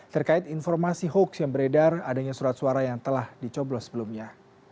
terkait informasi hoax yang beredar adanya surat suara yang telah dicoblos sebelumnya